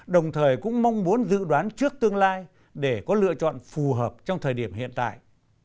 đồng thời cũng mong muốn dự đoán trước tương lai để có lựa chọn phù hợp trong thời điểm hiện tại